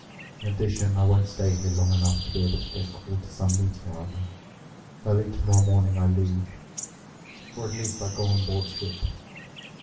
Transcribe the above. In addition, I won't stay here long enough to be able to get called in to some meeting or other. Early tomorrow morning I leave, or at least I go on board ship."